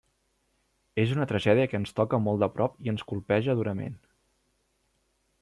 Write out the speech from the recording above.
És una tragèdia que ens toca molt de prop i ens colpeja durament.